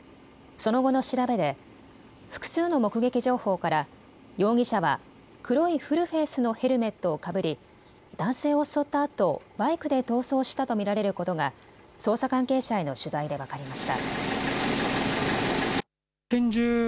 その後の調べで複数の目撃情報から容疑者は黒いフルフェースのヘルメットをかぶり男性を襲ったあとバイクで逃走したと見られることが捜査関係者への取材で分かりました。